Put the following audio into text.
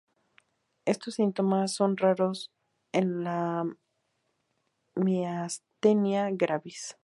Estos síntomas son raros en la miastenia gravis.